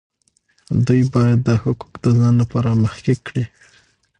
دوی باید دا حقوق د ځان لپاره محقق کړي.